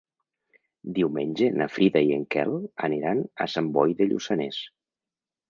Diumenge na Frida i en Quel aniran a Sant Boi de Lluçanès.